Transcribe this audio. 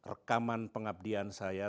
rekaman pengabdian saya